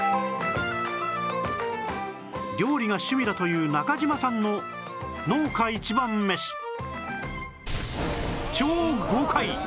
料理が趣味だという中島さんの農家一番メシ